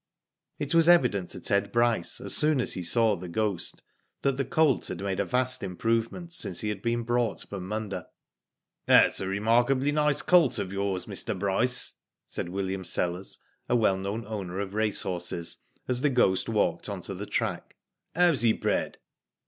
It was evident to Ted Bryce, as soon as he saw The Ghost, that the colt had made a vast improve ment since he had been brought from Munda. "That's a remarkably nice colt of yours, Mr. Bryce,'^ said William Sellers, a well known owner of racehorses, as The Ghost walked on to the track, '' How's he bred